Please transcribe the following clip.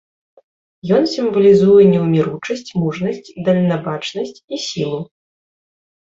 Ён сімвалізуе неўміручасць, мужнасць, дальнабачнасць і сілу.